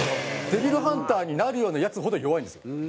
デビルハンターになるようなヤツほど弱いんですよ。